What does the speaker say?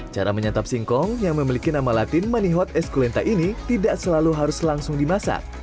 cara menyantap singkong yang memiliki nama latin manihot esculenta ini tidak selalu harus langsung dimasak